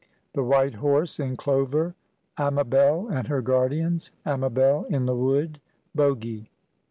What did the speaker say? THE WHITE HORSE IN CLOVER.—AMABEL AND HER GUARDIANS.—AMABEL IN THE WOOD.—BOGY.